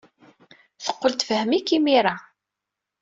Teqqel tfehhem-ik imir-a.